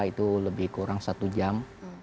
itu lebih kurang satu jam